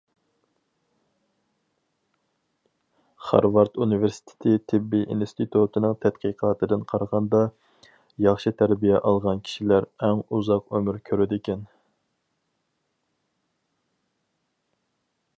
خارۋارد ئۇنىۋېرسىتېتى تېببىي ئىنستىتۇتىنىڭ تەتقىقاتىدىن قارىغاندا، ياخشى تەربىيە ئالغان كىشىلەر ئەڭ ئۇزاق ئۆمۈر كۆرىدىكەن.